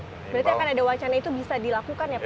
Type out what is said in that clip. berarti akan ada wacana itu bisa dilakukan ya pak